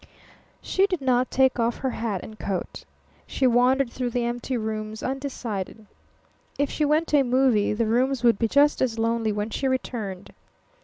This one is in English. She did not take off her hat and coat. She wandered through the empty rooms, undecided. If she went to a movie the rooms would be just as lonely when she returned.